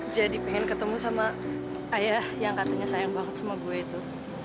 jadi pengen ketemu sama ayah yang katanya sayang banget sama gue itu